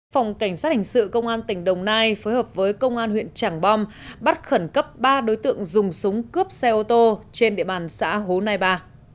phòng cảnh sát hình sự công an tỉnh đồng nai phối hợp với công an huyện trảng bom bắt khẩn cấp ba đối tượng dùng súng cướp xe ô tô trên địa bàn xã hồ nai ba